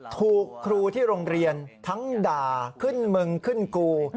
ถูกครูที่โรงเรียนทั้งด่าขึ้นมึงขึ้นกู